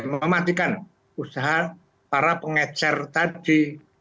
mematikan usaha para pengecer tadi